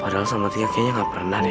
padahal sama tia kayaknya ga pernah nih